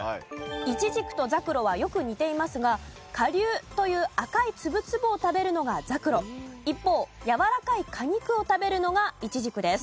いちじくとざくろはよく似ていますが果粒という赤いつぶつぶを食べるのがざくろ一方やわらかい果肉を食べるのがいちじくです。